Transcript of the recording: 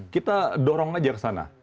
kita dorong aja ke sana